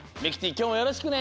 きょうもよろしくね。